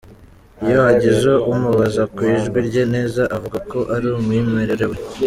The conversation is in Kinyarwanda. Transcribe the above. Iyo hagize umubaza ku ijwi rye, Neza avuga ko ari umwimerere we.